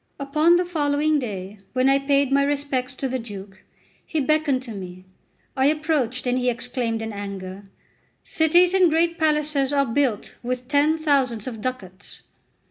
Upon the following day, when I paid my respects to the Duke, he beckoned to me. I approached, and he exclaimed in anger: "Cities and great palaces are built with ten thousands of ducats."